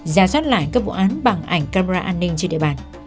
ra soát lại các vụ án bằng ảnh camera an ninh trên địa bàn